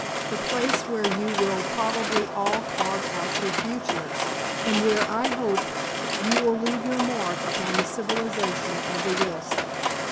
The place where you will probably all carve out your futures, and where, I hope, you will leave your mark upon the civilization of the West."